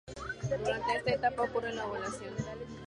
Durante esta etapa ocurre la ovulación.